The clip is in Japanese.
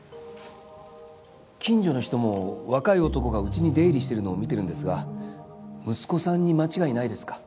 近所の人も若い男がうちに出入りしているのを見ているんですが息子さんに間違いないですか？